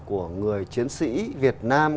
của người chiến sĩ việt nam